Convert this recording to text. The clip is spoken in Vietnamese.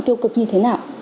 điều cực như thế nào